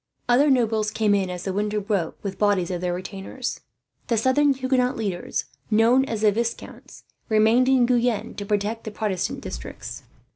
Other nobles came in, as the winter broke, with bodies of their retainers. The southern Huguenot leaders, known as the Viscounts, remained in Guyenne to protect the Protestant districts.